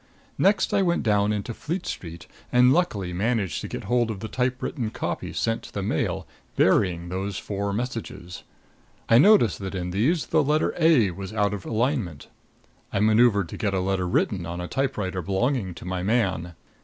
Next I went down into Fleet Street and luckily managed to get hold of the typewritten copy sent to the Mail bearing those four messages. I noticed that in these the letter a was out of alignment. I maneuvered to get a letter written on a typewriter belonging to my man.